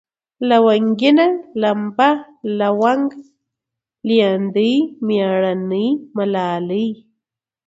لونگينه ، لمبه ، لونگه ، ليندۍ ، مېړنۍ ، ملالۍ